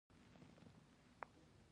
د ماشوم د کانګو لپاره باید څه وکړم؟